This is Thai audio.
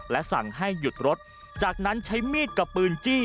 และสั่งให้หยุดรถจากนั้นใช้มีดกับปืนจี้